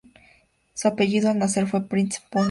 Su apellido al nacer fue "Prinz von Bayern".